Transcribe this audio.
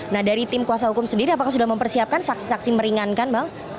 nah dari tim kuasa hukum sendiri apakah sudah mempersiapkan saksi saksi meringankan bang